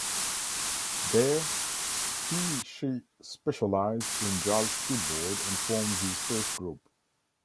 There, he/she specialized in jazz keyboard and formed his first group.